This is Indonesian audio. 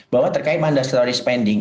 bahwa terkait mandas storage spending